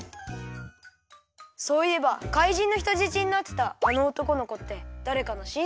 そういえば怪人のひとじちになってたあのおとこのこってだれかのしんせきかな？